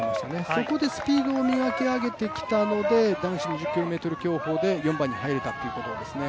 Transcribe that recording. そこでスピードを磨き上げてきたので男子２０ｋｍ競歩で４番に入れたということですね。